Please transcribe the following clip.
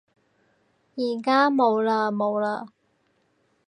而家冇嘞冇嘞